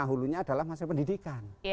hulunya adalah masyarakat pendidikan